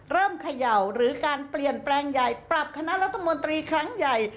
เขย่าหรือการเปลี่ยนแปลงใหญ่ปรับคณะรัฐมนตรีครั้งใหญ่